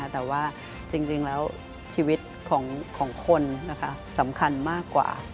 แต่ว่าจริงแล้วชีวิตของคนสำคัญมากกว่า